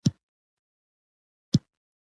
کتاب لوستل د انسان فکر پیاوړی کوي